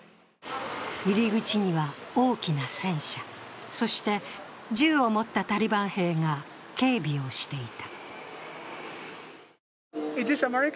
入り口には大きな戦車、そして、銃を持ったタリバン兵が警備をしていた。